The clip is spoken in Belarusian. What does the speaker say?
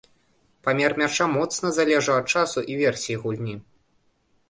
Памер мяча моцна залежаў ад часу і версіі гульні.